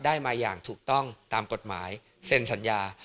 ได้มาอย่างถูกต้องตามกฎหมายเซ็นสัญญา